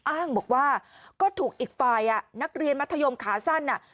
อ้างบอกว่าก็ถูกอีกฝ่ายนักเรียนมัธยมขาสั้น